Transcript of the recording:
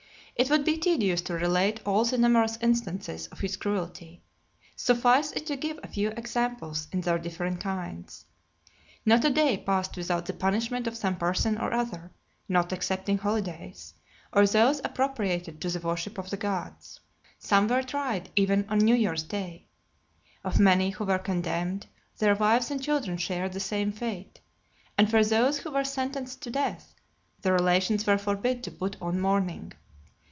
It would be tedious to relate all the numerous instances of his cruelty: suffice it to give a few examples, in their different kinds. Not a day passed without the punishment of some person or other, not excepting holidays, or those appropriated to the worship of the gods. Some were tried even on New Year's Day. Of many who were condemned, their wives and children shared the same fate; and for those who were sentenced to death, the relations were forbid to put on mourning.